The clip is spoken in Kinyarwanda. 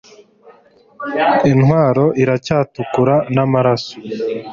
Intwaro iracyatukura namaraso